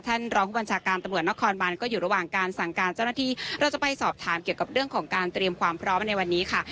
ท่านรองผู้บัญชาการตำรวจนครบานก็อยู่ระหว่างการสั่งการเจ้าหน้าที่เราจะไปสอบถามเกี่ยวกับเรื่องของการเตรียมความพร้อมในวันนี้ค่ะ